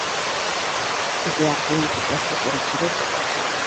იგი აღდგენითი პლასტიკური ქირურგიის ერთ-ერთი დამფუძნებელია.